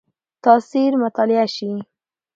تاثیر مطالعه شي.